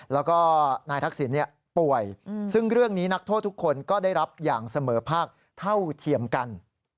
แล้วก็นายทักษิณป่วยซึ่งเรื่องนี้นักโทษทุกคนก็ได้รับอย่างเสมอภาคเท่าเทียมกัน